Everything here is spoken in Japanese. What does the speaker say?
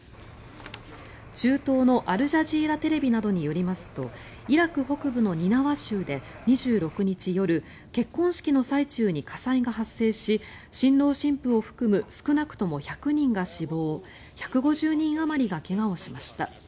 中東のアルジャジーラ・テレビなどによりますとイラク北のニナワ州で２６日夜結婚式の最中に火災が発生し新郎新婦を含む少なくとも１００人が死亡１５０人あまりが怪我をしました。